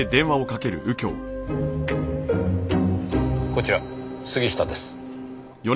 こちら杉下です。